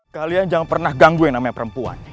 kalian jangan pernah ganggu yang namanya perempuan